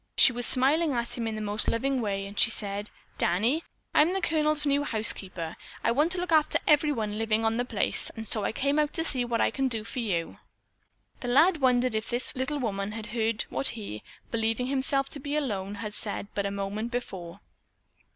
She was smiling at him in a most loving way and she said: "Danny, I'm the Colonel's new housekeeper. I want to look after everyone living on the place, and so I came out to see what I can do for you." The lad wondered if this little woman had heard what he, believing himself to be alone, had said but a moment before.